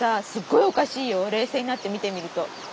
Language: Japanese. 冷静になって見てみると。